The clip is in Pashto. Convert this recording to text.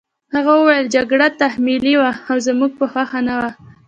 هغه وویل جګړه تحمیلي وه او زموږ په خوښه نه وه